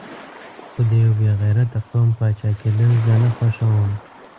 خو د یو بې غیرته قوم پاچا کېدل زه نه خوښوم.